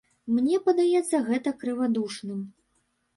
Мне падаецца гэта крывадушным.